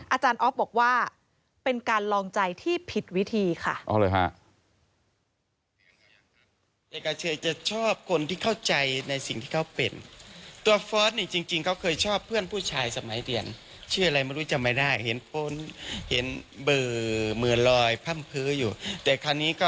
อาจารย์ออฟบอกว่าเป็นการลองใจที่ผิดวิธีค่ะ